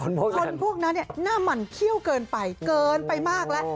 คนพวกนั้นคนพวกนั้นเนี่ยหน้ามันเขี้ยวเกินไปเกินไปมากแล้ว